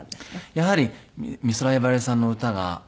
やはり美空ひばりさんの歌が多かったです。